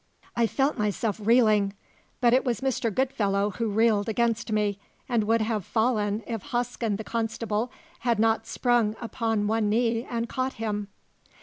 I felt myself reeling. But it was Mr. Goodfellow who reeled against me, and would have fallen if Hosken the constable had not sprung upon one knee and caught him.